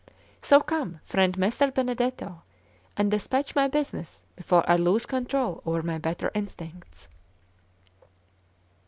So come, friend Messer Benedetto, and despatch my business before I lose control over my better instincts."